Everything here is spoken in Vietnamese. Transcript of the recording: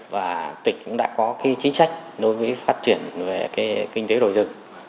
và tỉnh cũng đã có chính sách đối với phát triển về kinh tế đồi rừng